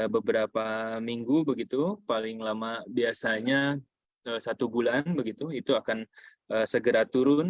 beberapa minggu begitu paling lama biasanya satu bulan begitu itu akan segera turun